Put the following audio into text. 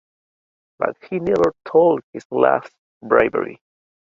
But he never told his last bravery.